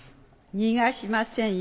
逃がしませんよ。